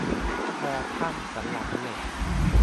คอทั่งสันหลังเหล็ก